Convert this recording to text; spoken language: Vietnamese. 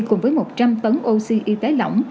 cùng với một trăm linh tấn oxy y tế lỏng